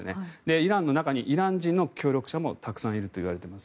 イランの中にイラン人の協力者もたくさんいるといわれています。